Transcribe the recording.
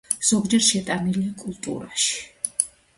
ზოგჯერ შეტანილია კულტურაში.